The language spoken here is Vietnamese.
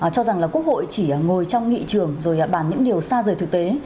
cho rằng là quốc hội chỉ ngồi trong nghị trường rồi bàn những điều xa rời thực tế